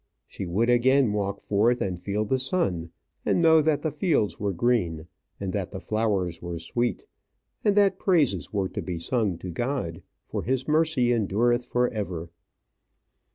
She would again walk forth and feel the sun, and know that the fields were green, and that the flowers were sweet, and that praises were to be sung to God. For His mercy endureth for ever.